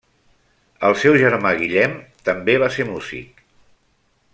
El seu germà Guillem també va ser músic.